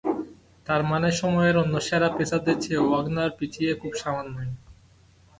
তার মানে সময়ের অন্য সেরা পেসারদের চেয়েও ওয়াগনার পিছিয়ে খুব সামান্যই।